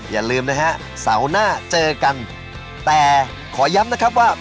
อย่าลืมนะฮะเสาร์หน้าเจอกันแต่ขอย้ำนะครับว่า